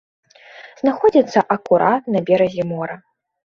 Знаходзіцца акурат на беразе мора.